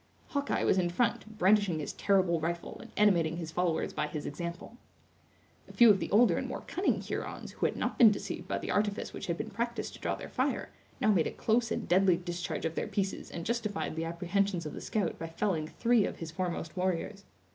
Hawkeye was in front, brandishing his terrible rifle and animating his followers by his example. A few of the older and more cunning Hurons, who had not been deceived by the artifice which had been practiced to draw their fire, now made a close and deadly discharge of their pieces and justified the apprehensions of the scout by felling three of his foremost warriors.